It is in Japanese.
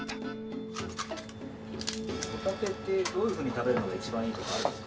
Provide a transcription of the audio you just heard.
帆立ってどういうふうに食べるのが一番いいとかあるんですか？